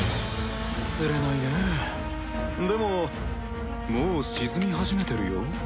つれないねでももう沈み始めてるよ